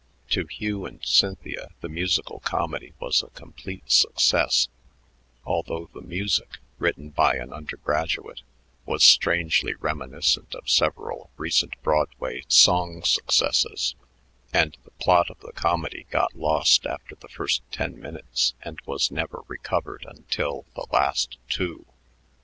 To Hugh and Cynthia the musical comedy was a complete success, although the music, written by an undergraduate, was strangely reminiscent of several recent Broadway song successes, and the plot of the comedy got lost after the first ten minutes and was never recovered until the last two.